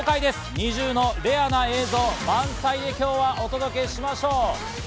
ＮｉｚｉＵのレアな映像満載でお届けしましょう。